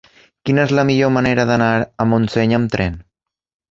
Quina és la millor manera d'anar a Montseny amb tren?